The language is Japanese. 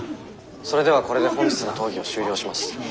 「それではこれで本日の討議を終了します」。